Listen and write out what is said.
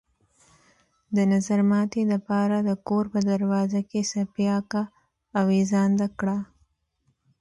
د نظرماتي د پاره د كور په دروازه کښې څپياكه اوېزانده کړه۔